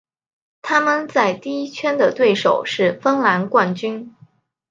他们在第一圈的对手是芬兰冠军。